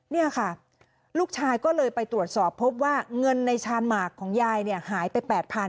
นี่ค่ะลูกชายก็เลยไปตรวจสอบพบว่าเงินในชาญหมากของยายเนี่ยหายไป๘๐๐